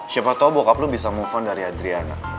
siapa tau bokap lu bisa move on dari adriana